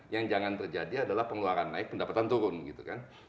yang jangan terjadi adalah pengeluaran naik pendapatan turun gitu kan